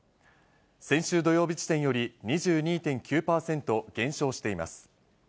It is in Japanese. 先週土曜日時点より２２．９％減少しています。